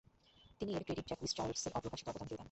তিনি এর credit Jacques চার্লসের অপ্রকাশিত অবদানকেই দেন।